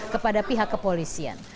kepada pihak kepolisian